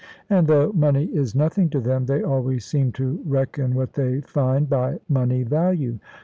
And though money is nothing to them, they always seem to reckon what they find by money value.